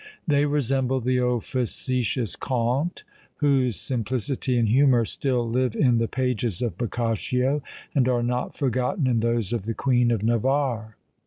They resemble the old facetious contes, whose simplicity and humour still live in the pages of Boccaccio, and are not forgotten in those of the Queen of Navarre.